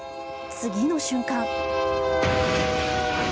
次の瞬間。